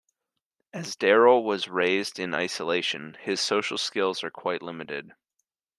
As Daryl was raised in isolation, his social skills are quite limited.